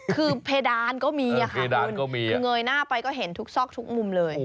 คือเพดานก็มีค่ะเพดานก็มีเงยหน้าไปก็เห็นทุกซอกทุกมุมเลย